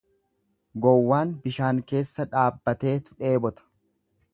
Gawwaan bishaan keessa dhaabbateetu dheebota.